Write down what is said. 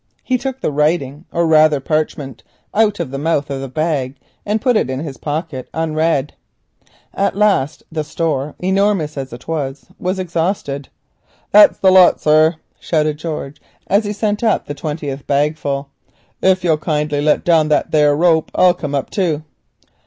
He took the "writing," or rather parchment, out of the mouth of the bag, and put it in his pocket unread. At length the store, enormous as it was, was exhausted. "That's the lot, sir," shouted George, as he sent up the last bagful. "If you'll kindly let down that there rope, I'll come up too."